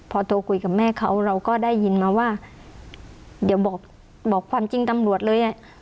พอโทรคุยกับแม่เขาเราก็ได้ยินมาว่าเดี๋ยวบอกความจริงตำรวจเลยอ่ะ